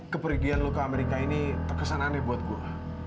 keperigian lo ke amerika ini terkesan aneh buat gue